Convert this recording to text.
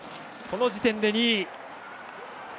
この時点で２位。